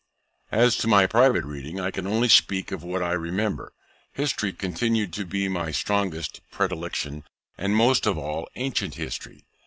As to my private reading, I can only speak of what I remember. History continued to be my strongest predilection, and most of all ancient history.